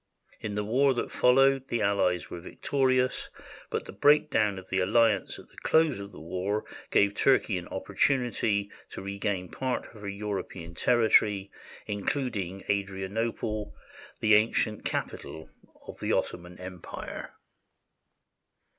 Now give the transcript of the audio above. In the war that followed the allies were victorious, but the breakdown of the alliance at the close of the war gave Turkey an oppor tunity to regain a part of her European territory, including Adrianople, the ancient capital of the Ottoman Empire.